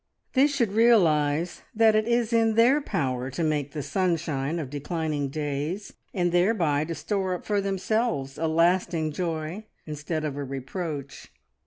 They should realise that it is in their power to make the sunshine of declining days, and thereby to store up for themselves a lasting joy, instead of a reproach.